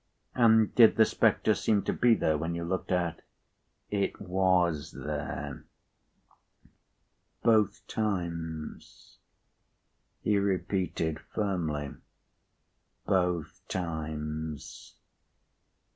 "And did the spectre seem to be there, when you looked out?" "It was there." "Both times?" He repeated firmly: "Both times."